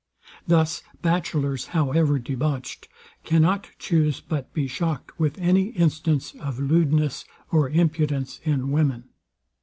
Thus batchelors, however debauched, cannot chuse but be shocked with any instance of lewdness or impudence in women.